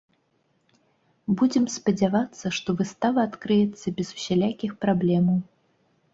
Будзем спадзявацца, што выстава адкрыецца без усялякіх праблемаў.